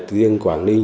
riêng quảng ninh